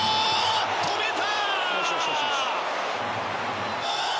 止めた！